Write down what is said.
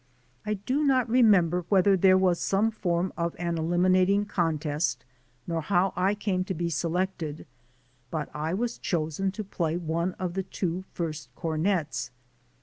I do not remember whether there was some form of an eliminating contest, nor how I came to be selected, but I was chosen to play one of the two first cornets.